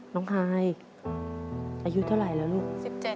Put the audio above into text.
พายอายุเท่าไหร่แล้วลูก